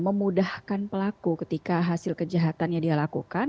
memudahkan pelaku ketika hasil kejahatannya dilakukan